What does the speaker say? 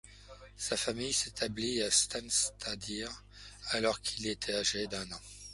Sa famille s'établit à Steinsstaðir alors qu'il était âgé d'un an.